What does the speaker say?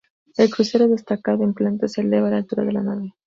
El crucero, destacado en planta, se eleva a la altura de la nave.